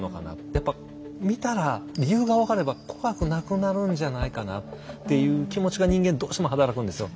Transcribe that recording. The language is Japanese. やっぱ見たら理由が分かれば怖くなくなるんじゃないかなっていう気持ちが人間どうしても働くんですよ。